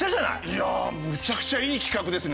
いやあめちゃくちゃいい企画ですね。